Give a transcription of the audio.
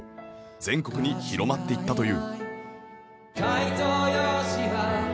全国に広まっていったという